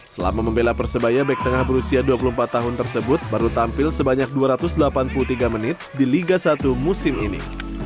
selama membela persebaya back tengah berusia dua puluh empat tahun tersebut baru tampil sebanyak dua ratus delapan puluh tiga menit di liga satu musim ini